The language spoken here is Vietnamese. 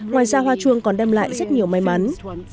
ngoài ra hoa chuông còn đem lại rất nhiều may mắn